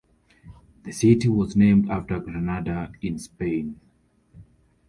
The city was named after Granada, in Spain.